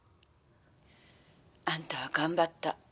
「あんたは頑張った。